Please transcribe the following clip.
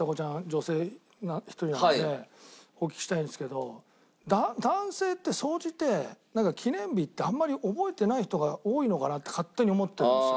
女性が１人なんでねお聞きしたいんですけど男性って総じて記念日ってあんまり覚えてない人が多いのかなって勝手に思ってるんですよ。